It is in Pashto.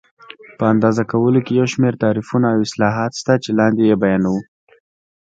په اندازه کولو کې یو شمېر تعریفونه او اصلاحات شته چې لاندې یې بیانوو.